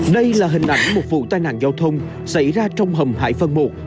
đây là hình ảnh một vụ tai nạn giao thông xảy ra trong hầm hải vân một